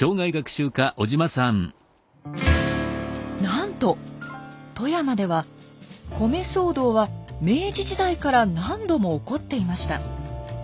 なんと富山では米騒動は明治時代から何度も起こっていました。